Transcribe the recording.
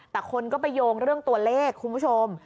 แต่คนก็ไปโยงเรื่องตัวเลขคุณผู้ชม